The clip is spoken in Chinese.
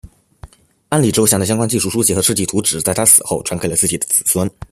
安里周祥的相关技术书籍和设计图纸在他死后传给了自己的子孙。